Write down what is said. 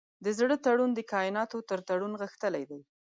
د زړه تړون د کایناتو تر تړون غښتلی دی.